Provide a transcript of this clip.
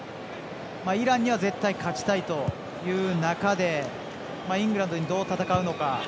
イランには絶対勝ちたいという中イングランドにどう戦うのか。